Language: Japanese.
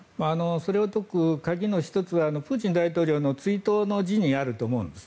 それを解く鍵の１つはプーチン大統領の追悼の辞にあると思うんです。